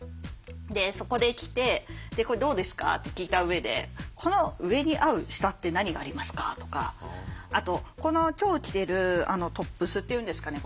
でそこで着て「これどうですか？」って聞いた上で「この上に合う下って何がありますか？」とかあとこの今日着てるトップスっていうんですかね